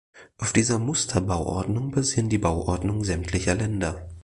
Auf dieser Musterbauordnung basieren die Bauordnungen sämtlicher Länder.